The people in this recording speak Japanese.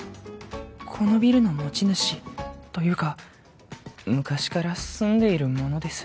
このビルの持ち主というか昔から住んでいる者です